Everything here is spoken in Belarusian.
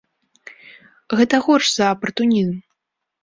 Гэта горш за апартунізм!